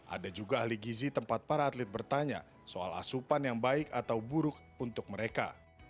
ada juga ahli gizi tempat para atlet bertanya soal asupan yang baik atau buruk untuk mereka